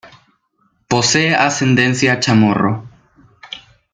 Posee ascendencia chamorro.